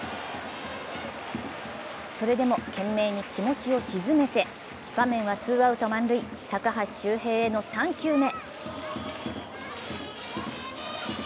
それでも懸命に気持ちを静めて場面はツーアウト満塁、高橋周平への３球目。